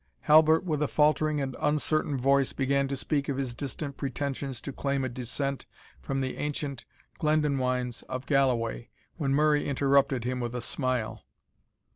Halbert, with a faltering and uncertain voice, began to speak of his distant pretensions to claim a descent from the ancient Glendonwynes of Galloway, when Murray interrupted him with a smile.